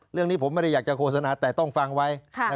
เรื่องนี้ผมไม่ได้อยากจะโฆษณาแต่ต้องฟังไว้